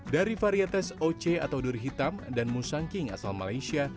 dari varietes oc atau duri hitam dan musangking asal malaysia